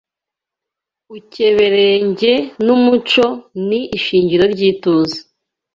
ukeberenge n,Umuco ni ishingiro ry’ituze